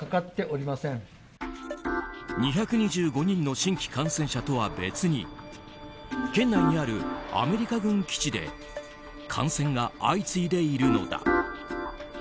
２２５人の新規感染者とは別に県内にあるアメリカ軍基地で感染が相次いでいるのだ。